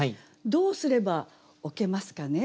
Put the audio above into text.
どうすれば置けますかね？